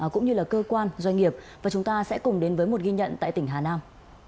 cũng như là cơ quan doanh nghiệp và chúng ta sẽ cùng đến với một ghi nhận tại tỉnh hà nam